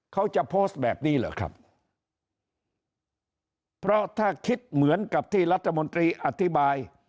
เขาจะโพสต์แบบนี้เหรอครับเพราะถ้าคิดเหมือนกับที่รัฐมนตรีอธิบาย